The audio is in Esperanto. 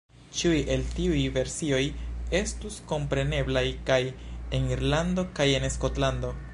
Ĉiuj el tiuj versioj estus kompreneblaj kaj en Irlando kaj en Skotlando.